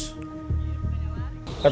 tidak ada yang berjalan mulus